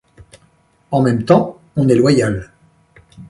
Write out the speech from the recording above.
En même temps, on est « loyal ».